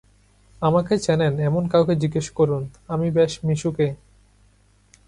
আমাকে চেনেন এমন কাউকে জিজ্ঞেস করুন; আমি বেশ মিশুকে।